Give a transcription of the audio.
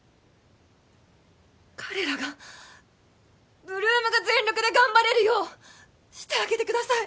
彼らが８ＬＯＯＭが全力で頑張れるようしてあげてください